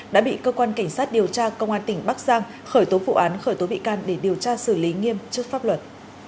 đã bị cơ quan cảnh sát điều tra công an tỉnh bắc giang khởi tố vụ án khởi tố bị can để điều tra xử lý nghiêm trước pháp luật